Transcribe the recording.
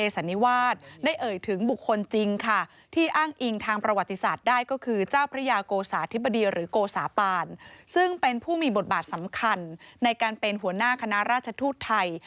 ซึ่งเป็นผู้มีบทบาทสำคัญในการเป็นหัวหน้าคณะราชทูตไทย